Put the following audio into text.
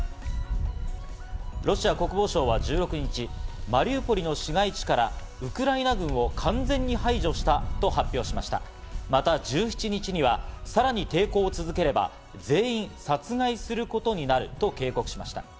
ロシア国防省は１６日、マリウポリの市街地からウクライナ軍を完全に排除したと発表しましたがまた１７日にはさらに抵抗を続ければ、全員殺害することになると警告しました。